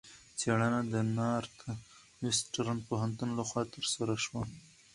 څېړنه د نارت وېسټرن پوهنتون لخوا ترسره شوې.